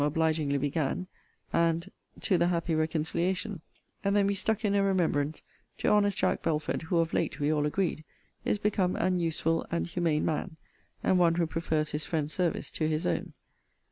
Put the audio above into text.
obligingly began, and, To the happy reconciliation; and then we stuck in a remembrance To honest Jack Belford, who, of late, we all agreed, is become an useful and humane man; and one who prefers his friend's service to his own.